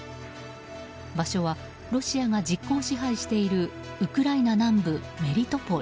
場所はロシアが実効支配しているウクライナ南部、メリトポリ。